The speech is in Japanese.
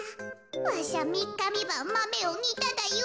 わしゃみっかみばんマメをにただよ。